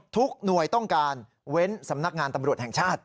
ทุกหน่วยต้องการเว้นสำนักงานตำรวจแห่งชาติ